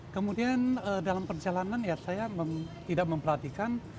kemudian dalam perjalanan ya saya tidak memperhatikan